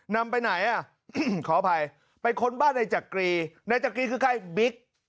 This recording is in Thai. นำไปไหนอ่ะขออภัยไปค้นบ้านนายจักรีนายจักรีคือใครบิ๊ก